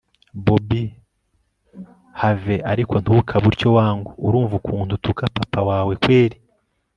bobi have ariko ntukabe utyo wangu! urumva ukuntu utuka papa wawe kweli